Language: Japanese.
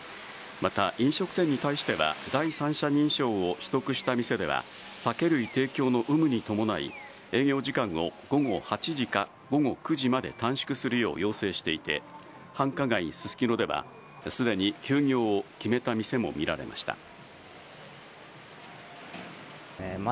また、飲食店に対しては第三者認証を取得した店では酒類提供の有無に伴い営業時間を午後８時か午後９時まで短縮するよう要請していて繁華街・ススキノではすでに休業を決めた店も見られました。